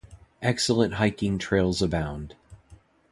Excellent hiking trails abound.